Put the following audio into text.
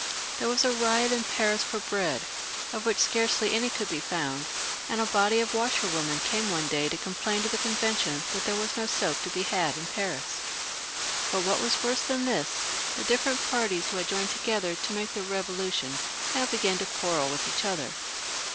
There was a riot in Paris for bread, of which scarcely any could be found ; and a body of washerwomen came one day to complain to the Convention tiiat there was no soap to be had in Paris. But what was worse than this, the different parties who had joined together to make the Revolution now began to quarrel with each other.